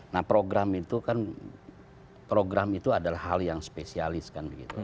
nah program itu kan program itu adalah hal yang spesialis kan begitu